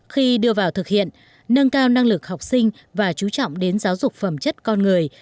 khi đưa vào thực hiện nâng cao năng lực học sinh và chú trọng đến giáo dục phẩm chất con người